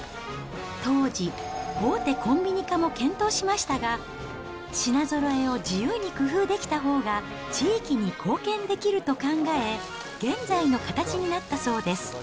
当時、大手コンビニ化も検討しましたが、品ぞろえを自由に工夫できたほうが、地域に貢献できると考え、現在の形になったそうです。